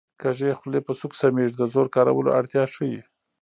کږې خولې په سوک سمېږي د زور کارولو اړتیا ښيي